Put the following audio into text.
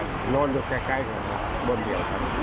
สวัสดี